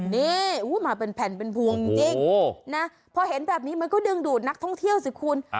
นี่มาเป็นแผ่นเป็นพวงจริงนะพอเห็นแบบนี้มันก็ดึงดูดนักท่องเที่ยวสิคุณ